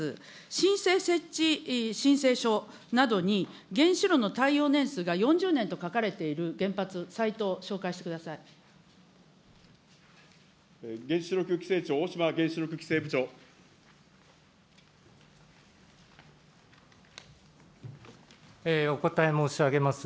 申請設置申請書などに、原子炉の耐用年数が４０年と書かれている原発、原子力規制庁、大島原子力規お答え申し上げます。